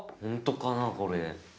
ほんとかなこれ。